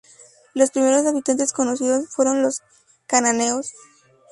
Los primeros habitantes conocidos fueron los cananeos.